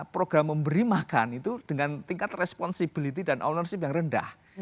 program memberi makan itu dengan tingkat responsibility dan ownership yang rendah